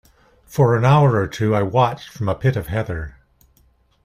For an hour or two I watched it from a pit of heather.